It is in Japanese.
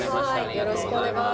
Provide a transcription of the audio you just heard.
よろしくお願いします。